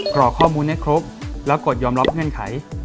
กรอกข้อมูลให้ครบแล้วกดยอมรับเงื่อนไข